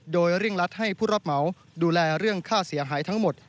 โดยเร่งรัดให้ผู้รับเหมาดูแลเรื่องค่าเสียหายทั้งหมด